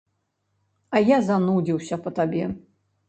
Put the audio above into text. А я занудзіўся па табе.